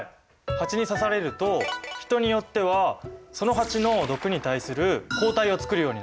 ハチに刺されると人によってはそのハチの毒に対する抗体をつくるようになる。